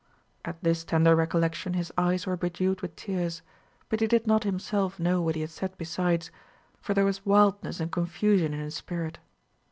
At this tender recollection his eyes were bedewed with tears. But he did not himself know what he had said besides, for there was wildness and confusion in his spirit.